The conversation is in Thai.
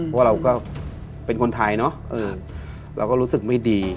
เพราะเราก็เป็นคนไทยเนอะเราก็รู้สึกไม่ดี